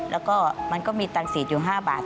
แล้วก็มันก็มีตังค์๔๕บาท